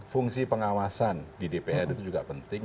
fungsi pengawasan di dpr itu juga penting